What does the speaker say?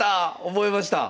覚えました！